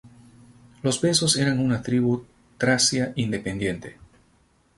Los besos eran una tribu tracia independiente.